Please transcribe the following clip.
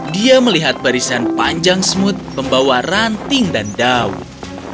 dia melihat barisan panjang semut membawa ranting dan daun